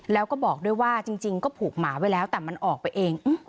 แล้วก็บอกด้วยว่าจริงก็ผูกหมาไว้แล้วแต่มันออกไปเอง